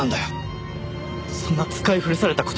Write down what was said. そんな使い古された言葉で。